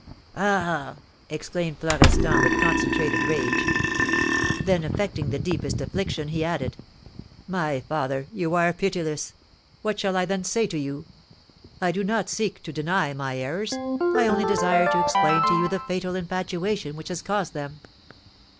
"Ah!" exclaimed Florestan, with concentrated rage. Then affecting the deepest affliction, he added, "My father, you are pitiless, what shall I then say to you? I do not seek to deny my errors, I only desire to explain to you the fatal infatuation which has caused them.